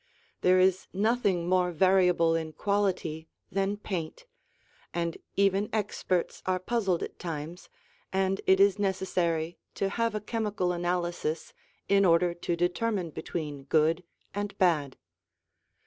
There is nothing more variable in quality than paint, and even experts are puzzled at times and it is necessary to have a chemical analysis in order to determine between good and bad.